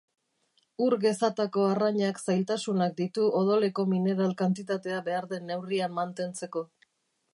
Ur gezatako arrainak zailtasunak ditu odoleko mineral kantitatea behar den neurrian mantentzeko.